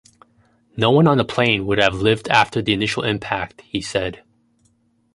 No-one on the plane would have lived after the initial impact, he said.